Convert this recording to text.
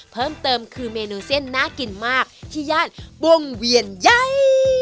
เพิ่มเติมคือเมนูเส้นน่ากินมากที่ย่านวงเวียนใหญ่